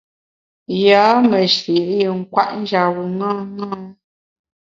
Yâ meshi’ yin kwet njap bu ṅaṅâ.